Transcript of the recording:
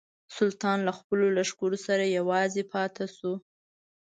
سلطان له خپلو لښکرو سره یوازې پاته شو.